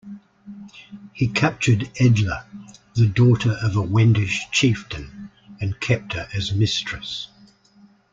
He captured Edla, the daughter of a Wendish chieftain, and kept her as mistress.